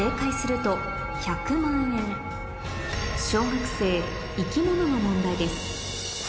小学生生き物の問題です